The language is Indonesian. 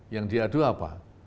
yang diadu apa